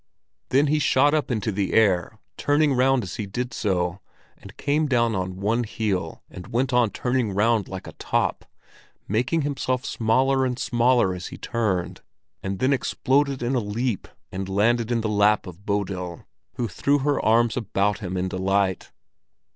Then he shot up into the air, turning round as he did so, and came down on one heel and went on turning round like a top, making himself smaller and smaller as he turned, and then exploded in a leap and landed in the lap of Bodil, who threw her arms about him in delight.